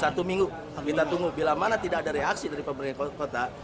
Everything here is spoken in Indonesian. satu minggu kita tunggu bila mana tidak ada reaksi dari pemerintah kota